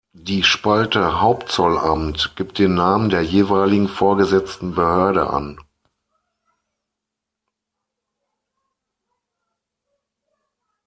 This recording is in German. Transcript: Die Spalte "Hauptzollamt" gibt den Namen der jeweiligen vorgesetzten Behörde an.